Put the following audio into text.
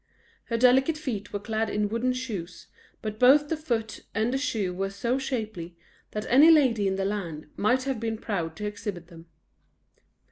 Her delicate feet were clad in wooden shoes, but both the foot and the shoe were so shapely, that any lady in the land might have been proud to exhibit them.